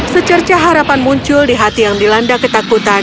secerca harapan muncul di hati yang dilanda ketakutan